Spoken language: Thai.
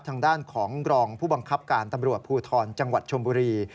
ทางด้านของรองผู้บังคับการตำรวจภูทรจังหวัดชมบุรี